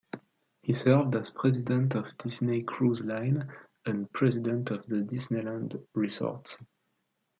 He served as president of Disney Cruise Line and president of the Disneyland Resort.